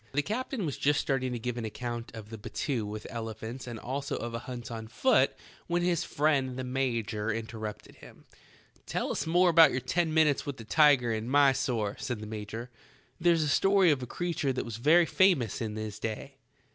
The captain was just starting to give an account of a battue with elephants and also of a hunt on foot when his friend the major interrupted him. "Tell us about your ten minutes with the tiger in Mysore," said the major. "There's a story of a creature that was very famous in his day."